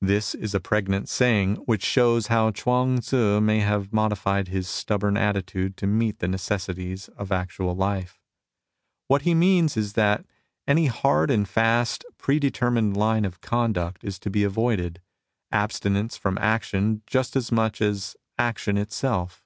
This is a pregnant sa3ang, which shows how Chuang Tzu may have modified his stubborn attitude to meet the necessities of actual life. What he means is that any hard and fast, predetermined line of conduct is to be avoided, abstinence from action just as much as action itself.